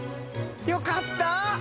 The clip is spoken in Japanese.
よかった！